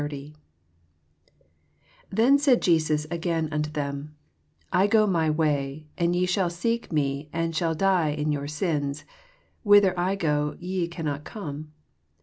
21 Them amid Jesus again unto them, I go my way, and ye shall seek me and ehall die in your sins: whither I go, ye eannot oome.